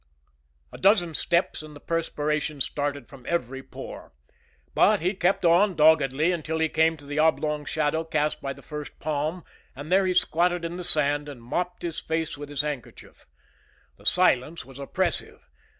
A dozen steps and the perspiration started from every pore. But he kept on, doggedly, until he came to the oblong shadow cast by the first palm, and there he squatted in the sand and mopped his face with his handkerchief. The silence was oppressive.